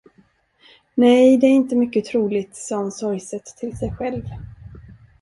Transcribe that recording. Nej, det är inte mycket troligt, sade hon sorgset till sig själv.